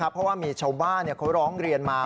เพราะว่ามีชาวบ้านเขาร้องเรียนมา